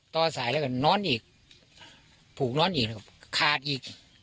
ต่อสายแล้วก็นอนอีกผูกนอนอีกแล้วก็ขาดอีก